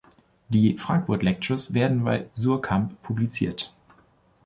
Die "Frankfurt Lectures" werden bei Suhrkamp publiziert.